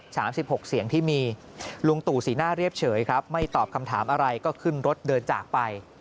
สามสิบหกเสียงที่มีลุงตู่สีหน้าเรียบเฉยครับไม่ตอบคำถามอะไรก็ขึ้นรถเดินจากไป